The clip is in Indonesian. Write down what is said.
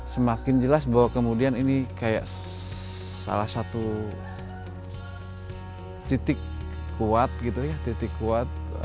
semakin jelas bahwa kemudian ini kayak salah satu titik kuat gitu ya titik kuat